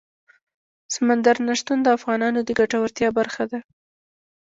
سمندر نه شتون د افغانانو د ګټورتیا برخه ده.